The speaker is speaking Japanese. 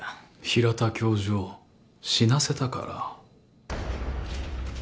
平田教授を死なせたから。